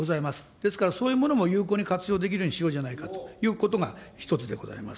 ですからそういうものも有効に活用できるようにしようじゃないかということが一つでございます。